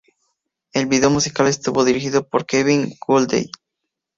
El vídeo musical estuvo dirigido por Kevin Godley.